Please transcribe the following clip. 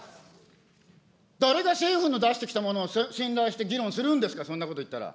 誰が政府の出してきたものを信頼して議論するんですか、そんなこと言ったら。